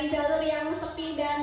cari jalur yang tepi dan landai